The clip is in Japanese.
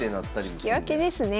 引き分けですね。